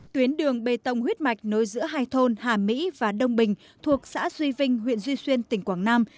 tuyến đường bê tông huyết mạch nối giữa hai thôn hà mỹ và đông bình thuộc xã duy vinh huyện duy xuyên tỉnh quảng nam